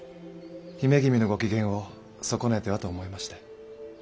姫君のご機嫌を損ねてはと思いまして。